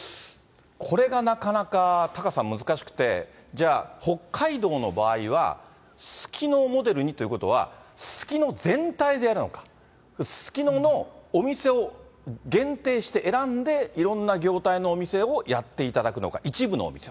これがなかなかタカさん、難しくて、じゃあ、北海道の場合は、すすきのをモデルにということは、すすきの全体でやるのか、すすきののお店を限定して選んで、いろんな業態のお店をやっていただくのか、一部のお店。